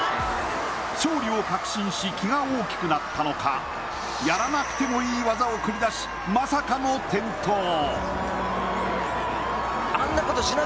勝利を確信し気が大きくなったのかやらなくてもいい技を繰り出しまさかの転倒。